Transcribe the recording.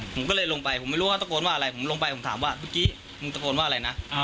ผมก็เลยลงไปผมไม่รู้ว่าตะโกนว่าอะไรผมลงไปผมถามว่าเมื่อกี้มึงตะโกนว่าอะไรนะ